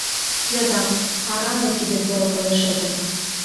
Йодам: арале тиде поро койышетым.